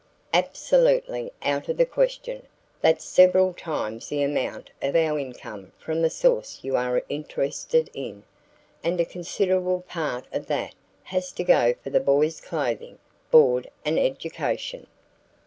"Absolutely out of the question. That's several times the amount of our income from the source you are interested in. And a considerable part of that has to go for the boy's clothing, board and education."